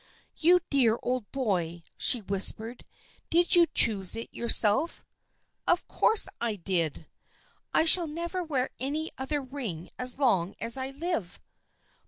" You dear old boy," she whispered. " Did you choose it yourself ?"" Of course I did !"" I shall never wear any other ring as long as I live."